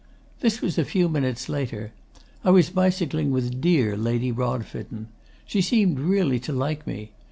'This was a few minutes later. I was bicycling with dear Lady Rodfitten. She seemed really to like me.